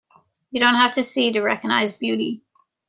You don't have to see to recognize beauty.